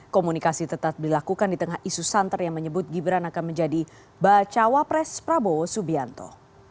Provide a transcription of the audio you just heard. komunikasi tetap dilakukan di tengah isu santer yang menyebut gibran akan menjadi bacawa pres prabowo subianto